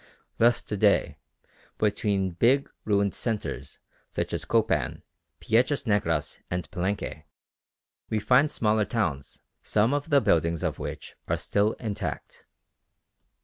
Thus to day, between big ruined centres such as Copan, Piedras Negras, and Palenque, we find smaller towns some of the buildings of which are still intact.